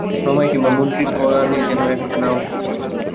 রমাই কিংবা মন্ত্রীর কানে যেন এ কথা না উঠে!